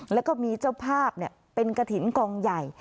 แล้วก็มีเจ้าภาพเป็นกระถิ่นกองใหญ่